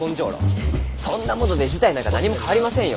そんなもので事態なんか何も変わりませんよ。